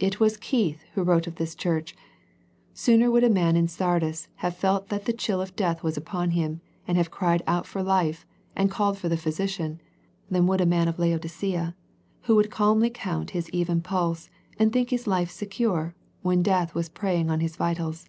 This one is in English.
It was Keith who wrote of this church, " Sooner would a man in Sardis have felt that the chill of death was upon him, and have cried out for life, and called for the physician, than would a man of Laodicea; who would calmly count his even pulse, and think his life secure, when death was preying on his vitals."